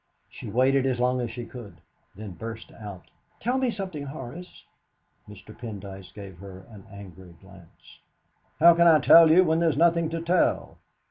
She waited as long as she could, then burst out: "Tell me something, Horace!" Mr. Pendyce gave her an angry glance. "How can I tell you, when there's nothing to tell?